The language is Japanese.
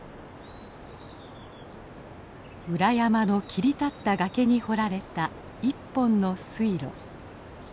裏山の切り立った崖に掘られた一本の水路。